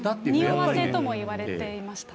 におわせとも言われていましたね。